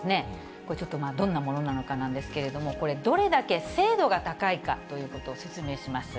これちょっと、どんなものなのかなんですけれども、これ、どれだけ精度が高いかということを説明します。